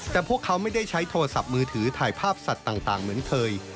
แต่พวกเขาไม่ได้ใช้โทรศัพท์มือถือถ่ายภาพสัตว์ต่างเหมือนเคย